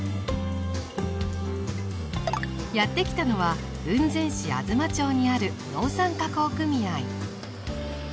やって来たのは雲仙市吾妻町にある農産加工組合。